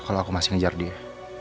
kalau aku masih ngejar dia